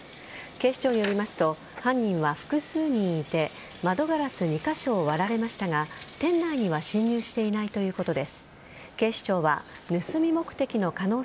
警視庁によりますと犯人は複数人いて窓ガラス２カ所を割られましたが店内には侵入していないということです。